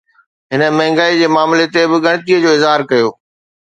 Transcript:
هن مهانگائي جي معاملي تي به ڳڻتي جو اظهار ڪيو